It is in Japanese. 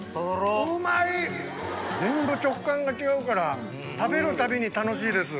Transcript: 全部食感が違うから食べるたびに楽しいです。